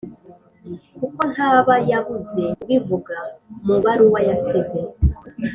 kuko ntaba yabuze kubivuga mubaruwa yasize."